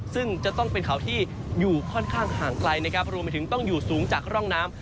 ซึ่งจะต้องเป็นเขาที่อยู่ค่อนข้างห่างไกลนะครับรวมไปถึงต้องอยู่สูงจากร่องน้ำ